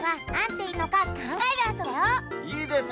いいですね